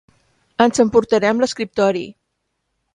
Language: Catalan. Ens emportarem l'escriptori.